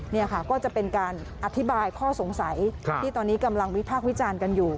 นี่ค่ะก็จะเป็นการอธิบายข้อสงสัยที่ตอนนี้กำลังวิพากษ์วิจารณ์กันอยู่